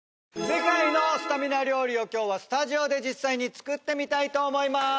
世界のスタミナ料理を今日はスタジオで実際に作ってみたいと思いまーす